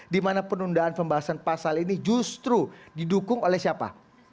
di mana penundaan pembahasan pasal ini justru didukung oleh siapa